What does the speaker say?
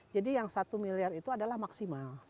jadi yang satu miliar itu adalah maksimal